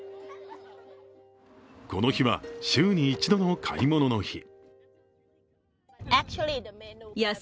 この日は、週に一度の買い物の日。